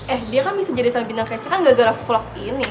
eh dia kan bisa jadi sama bintang kaca kan gara gara vlog ini